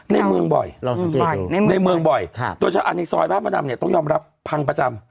ในเมืองบ่อยในเมืองบ่อยโดยเฉพาะในซอยบ้านมะดำเนี่ยต้องยอมรับพังประจำ